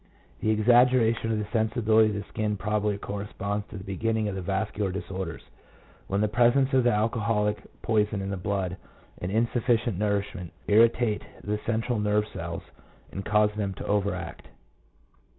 The exaggeration of the sensibility of the skin probably corresponds to the beginning of the vascular disorders, when the presence of the alcoholic poison in the blood and insufficient nourishment irritate the central nerve cells and cause them to overact.